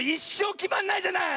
きまんないじゃない！